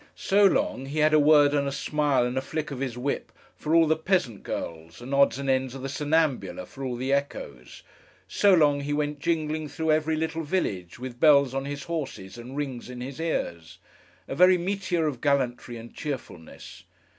So long, he had a word and a smile, and a flick of his whip, for all the peasant girls, and odds and ends of the Sonnambula for all the echoes. So long, he went jingling through every little village, with bells on his horses and rings in his ears: a very meteor of gallantry and cheerfulness.